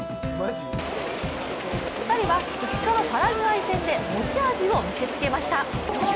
２人は、２日のパラグアイ戦で持ち味を見せつけました。